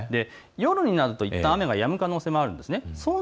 夜になるといったん雨がやむ可能性もあります。